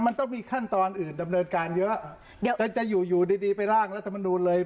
มันต้องมีขั้นตอนอื่นดำเนินการเยอะเดี๋ยวจะอยู่อยู่ดีดีไปร่างรัฐมนูลเลย